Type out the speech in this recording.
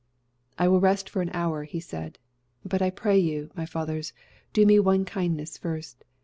"I will rest for an hour," he said. "But I pray you, my fathers, do me one kindness first.